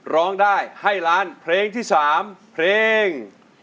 ร้องได้ให้ล้านเพลงที่๓เพลง